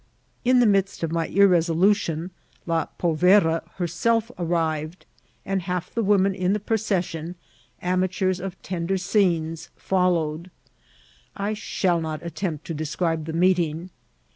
In the midst of my irresolution ^^ la pove* QUARTXR8 IN ▲ CONTXNT. 367 ra" herself arriTed, and half the women in the proces sion, amateurs of tender scenes, followed. I shall not attempt to describe the meeting.